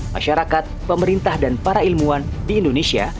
masyarakat pemerintah dan para ilmuwan di indonesia